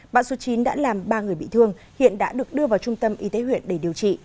bão số chín đã làm ba người bị thương hiện đã được đưa vào trung tâm y tế huyện để điều trị